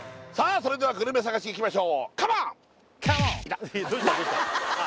それではグルメ探しいきましょう